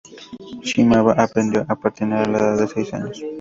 Shimada aprendió a patinar a la edad de seis años.